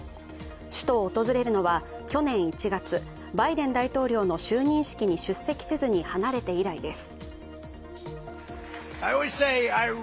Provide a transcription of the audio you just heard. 首都を訪れるのは去年１月、バイデン大統領の就任式に出席せずに離れて以来です。